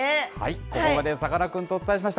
ここまでさかなクンとお伝えしました。